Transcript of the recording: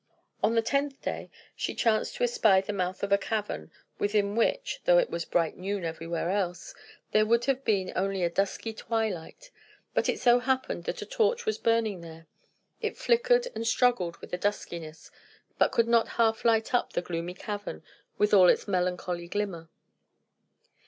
On the tenth day, she chanced to espy the mouth of a cavern, within which (though it was bright noon everywhere else) there would have been only a dusky twilight; but it so happened that a torch was burning there. It flickered, and struggled with the duskiness, but could not half light up the gloomy cavern with all its melancholy glimmer.